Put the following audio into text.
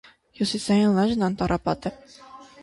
Հյուսիսային լանջն անտառապատ է։